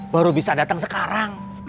baru bisa datang sekarang